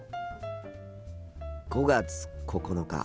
５月９日。